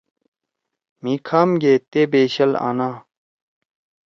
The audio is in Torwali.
مھی کھام گے تے بیشیل آنا